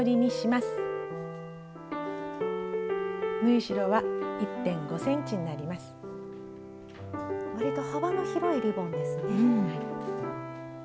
わりと幅の広いリボンですね。